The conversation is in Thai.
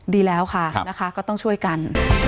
ดีแล้วค่ะนะคะก็ต้องช่วยกัน